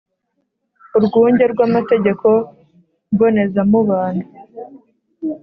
urwunge rw amategeko mbonezamubano